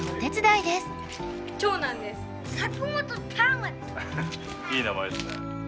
いい名前ですね。